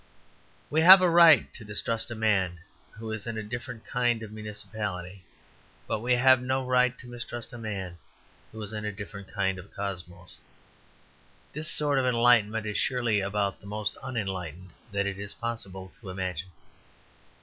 We have a right to distrust a man who is in a different kind of municipality; but we have no right to mistrust a man who is in a different kind of cosmos. This sort of enlightenment is surely about the most unenlightened that it is possible to imagine.